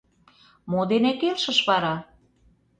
— Мо дене келшыш вара?